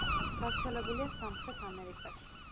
გავრცელებულია სამხრეთ ამერიკაში.